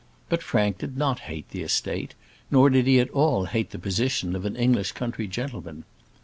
But Frank did not hate the estate; nor did he at all hate the position of an English country gentleman.